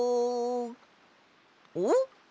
おっ！